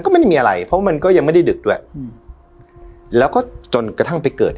ก็ไม่ได้มีอะไรเพราะมันก็ยังไม่ได้ดึกด้วยอืมแล้วก็จนกระทั่งไปเกิด